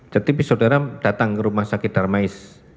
jadi saudara datang ke rumah sakit darmais